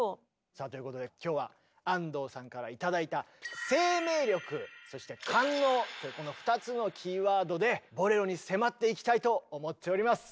さあということで今日は安藤さんから頂いたというこの２つのキーワードで「ボレロ」に迫っていきたいと思っております！